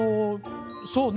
そうね